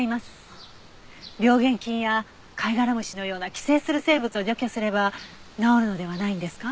病原菌やカイガラムシのような寄生する生物を除去すれば治るのではないんですか？